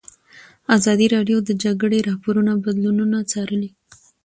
ازادي راډیو د د جګړې راپورونه بدلونونه څارلي.